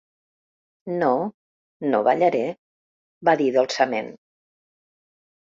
"No, no ballaré", va dir dolçament.